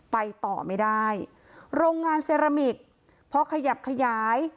ไปต่อไม่ได้โรงงานเซรามิกพอขยับขยาย